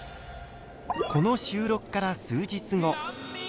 この収録から数日後。